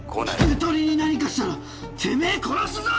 ゆとりに何かしたらてめえ殺すぞ！